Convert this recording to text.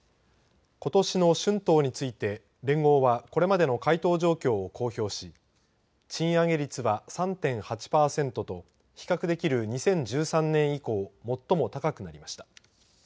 ことしの春闘について連合はこれまでの回答状況を公表し賃上げ率は３．８パーセントと比較できる２０１３年以降最も高くなりました。